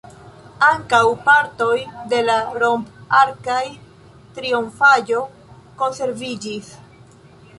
Ankaŭ partoj de la romp-arkaj trionfaĵo konserviĝis.